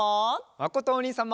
まことおにいさんも。